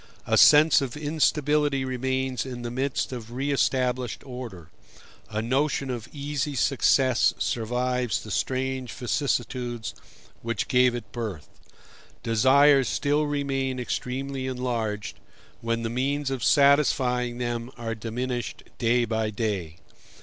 A sense of instability remains in the midst of re established order: a notion of easy success survives the strange vicissitudes which gave it birth; desires still remain extremely enlarged, when the means of satisfying them are diminished day by day.